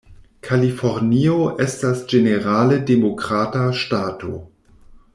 Kalifornio estas ĝenerale Demokrata ŝtato.